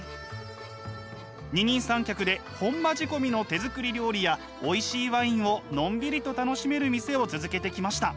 二人三脚で本場仕込みの手作り料理やおいしいワインをのんびりと楽しめる店を続けてきました。